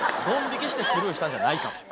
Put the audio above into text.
ドン引きしてスルーしたんじゃないかと。